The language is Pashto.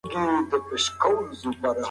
تاسي ولي په دغه کوڅې کي پټ سواست؟